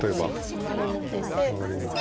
マガリも利いて。